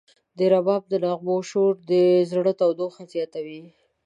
د رباب د نغمو شور د زړه تودوخه زیاتوي.